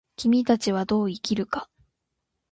君たちはどう生きるか。